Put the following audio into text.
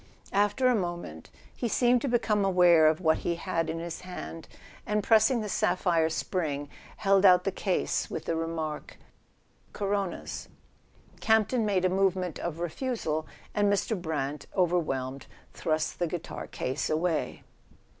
After a moment he seemed to become aware of what A SON AT THE FRONT he had in his hand, and pressing the sapphire spring held out the case with the remark: "Coronas." Campton made a movement of refusal, and Mr. Brant, overwhelmed, thrust the cigar case away.